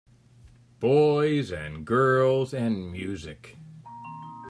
Boys and girls and music.